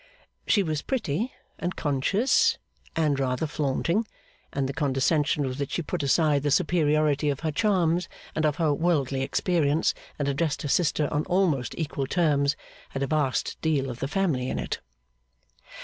She was pretty, and conscious, and rather flaunting; and the condescension with which she put aside the superiority of her charms, and of her worldly experience, and addressed her sister on almost equal terms, had a vast deal of the family in it.